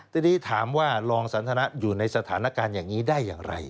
ทีนี้ถามว่ารองสันทนะอยู่ในสถานการณ์อย่างนี้ได้อย่างไร